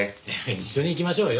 一緒に行きましょうよ。